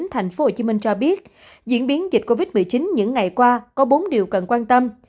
tp hcm cho biết diễn biến dịch covid một mươi chín những ngày qua có bốn điều cần quan tâm